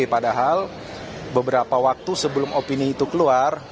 padahal beberapa waktu sebelum opini itu keluar